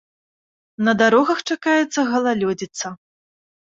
На дарогах чакаецца галалёдзіца.